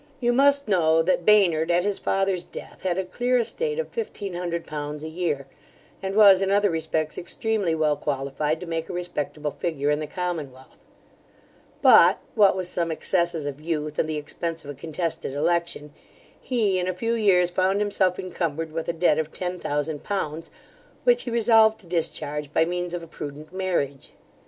You must know, that Baynard, at his father's death, had a clear estate of fifteen hundred pounds a year, and was in other respects extremely well qualified to make a respectable figure in the commonwealth; but, what with some excesses of youth, and the expence of a contested election, he in a few years found himself encumbered with a debt of ten thousand pounds, which he resolved to discharge by means of a prudent marriage.